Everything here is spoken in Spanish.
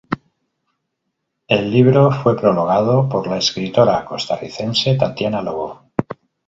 El libro fue prologado por la escritora costarricense Tatiana Lobo.